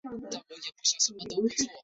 萨伏伊别墅是一个著名的代表作。